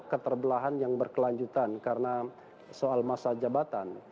karena ini adalah kasus yang berkelanjutan karena soal masa jabatan